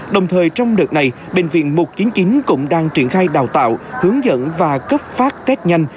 đồng thời trong đợt này bệnh viện một trăm chín mươi chín cũng đang triển khai đào tạo hướng dẫn và cấp phát tết nhanh